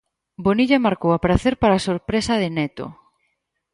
Bonilla marcou a pracer para sorpresa de Neto.